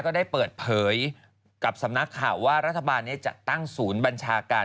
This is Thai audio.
ก็ได้เปิดเผยกับสำนักข่าวว่ารัฐบาลนี้จัดตั้งศูนย์บัญชาการ